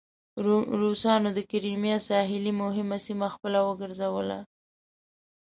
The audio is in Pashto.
روسانو د کریمیا ساحلي مهمه سیمه خپله وګرځوله.